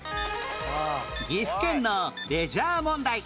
岐阜県のレジャー問題